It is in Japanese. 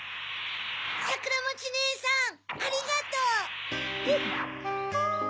さくらもちねえさんありがとう！